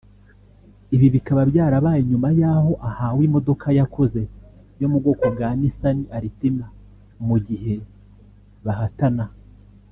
Ibi bikaba byarabaye nyuma y’aho ahawe imodoka yakoze yo mu bwoko bwa Nissan Altima mu gihe bahatana